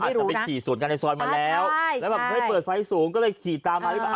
อาจจะไปขี่สวนกันในซอยมาแล้วแล้วแบบเฮ้ยเปิดไฟสูงก็เลยขี่ตามมาหรือเปล่า